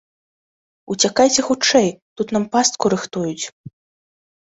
Уцякайце хутчэй, тут нам пастку рыхтуюць!